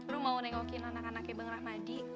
rum mau nengokin anak anak ke bang rahmadi